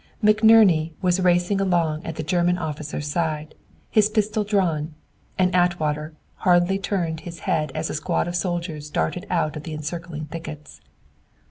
McNerney was racing along at the German officer's side, his pistol drawn, and Atwater hardly turned his head as a squad of soldiers darted out of the encircling thickets.